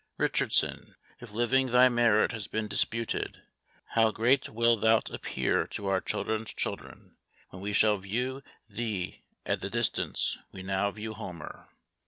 Richardson! if living thy merit has been disputed; how great wilt thou appear to our children's children, when we shall view thee at the distance we now view Homer!